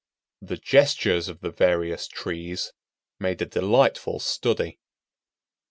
The gestures of the various trees made a delightful study.